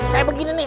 saya begini nih